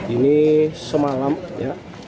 ini semalam ya